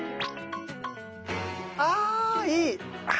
あいい！